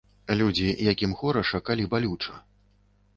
Людзі, якім хораша, калі балюча.